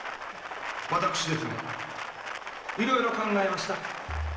私ですねいろいろ考えました。